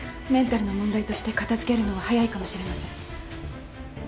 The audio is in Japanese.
メンタルの問題として片づけるのは早いかもしれません。